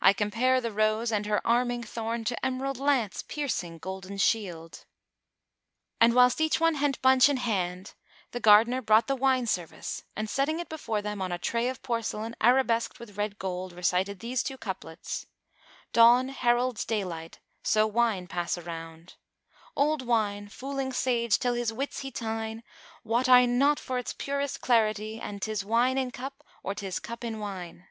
I compare the Rose and her arming thorn * To emerald lance piercing golden shield." And whilst each one hent bunch in hand, the gardener brought the wine service and setting it before them, on a tray of porcelain arabesqued with red gold, recited these two couplets, "Dawn heralds day light: so wine pass round, * Old wine, fooling sage till his wits he tyne: Wot I not for its purest clarity * An 'tis wine in cup or 'tis cup in wine."